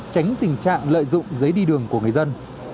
tránh tình trạng lợi dụng giấy đi đường của người dân